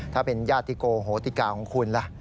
ถ้าเป็นญาติโกโหติกาของคุณล่ะ